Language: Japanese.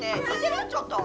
ちょっと！